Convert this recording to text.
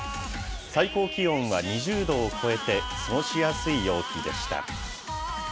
最高気温は２０度を超えて、過ごしやすい陽気でした。